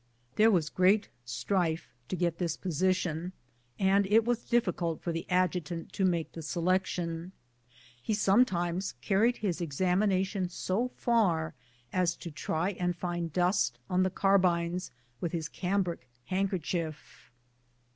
There was great strife to get this position, and it was difficult for the adjutant to make the selection. He sometimes carried his examination so far as to try and find dust on the carbines with his cambric handkerchief.